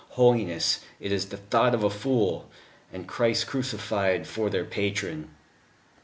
(Holiness, it is the thought of a fool.) ... And Christ Crucified for their patron."